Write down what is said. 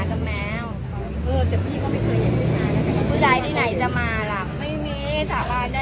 โอ้โอ้โอ้โอ้